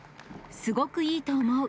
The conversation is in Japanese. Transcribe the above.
すごくいいと思う。